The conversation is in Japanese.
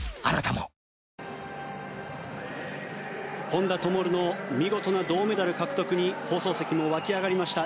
本多灯の見事な銅メダル獲得に放送席も沸き上がりました。